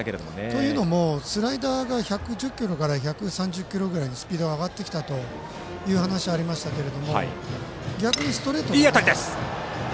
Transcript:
というのもスライダーが１１０キロぐらいから１３０キロぐらいにスピードが上がってきたという話がありましたが逆にストレートは。